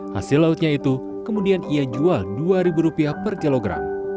hasil lautnya itu kemudian ia jual rp dua per kilogram